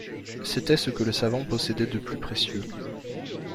C’était ce que le savant possédait de plus précieux.